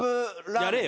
やれよ！